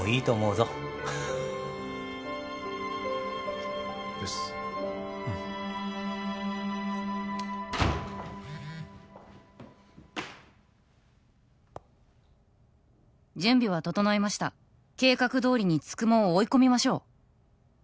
ぞうっす「準備は整いました計画通りに九十九を追い込みましょう」